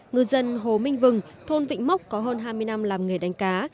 người dân hồ minh vừng thôn vĩnh mốc có hơn hai mươi năm làm nghề đánh cá